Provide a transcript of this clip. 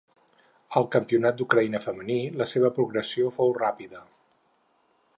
Al campionat d'Ucraïna femení, la seva progressió fou ràpida.